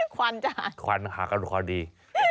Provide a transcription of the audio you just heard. ควันจะหาควันหาความดี